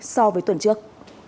so với tuần trước